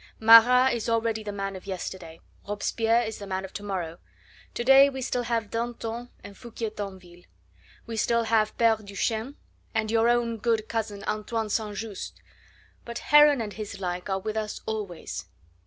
Marat is already the man of yesterday, Robespierre is the man of to morrow. To day we still have Danton and Foucquier Tinville; we still have Pere Duchesne, and your own good cousin Antoine St. Just, but Heron and his like are with us always."